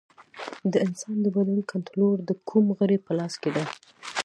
د انسان د بدن کنټرول د کوم غړي په لاس کې دی